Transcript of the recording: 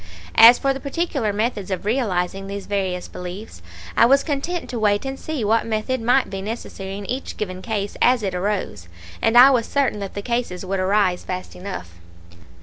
As for the particular methods of realizing these various beliefs, I was content to wait and see what method might be necessary in each given case as it arose; and I was certain that the cases would arise fast enough.